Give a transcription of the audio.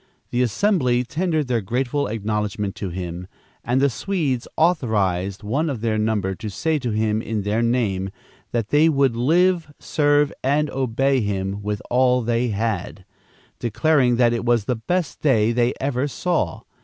The assembly tendered their grateful acknowledgment to him, and the Swedes authorized one of their number to say to him in their name that they "would live, serve and obey him with all they had," declaring that it was "the best day they ever saw."